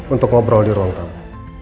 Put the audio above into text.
untuk ngobrol di ruang kami